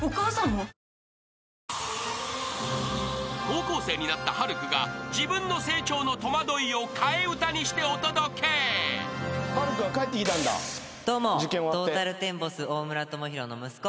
［高校生になった晴空が自分の成長の戸惑いを替え歌にしてお届け］どうも。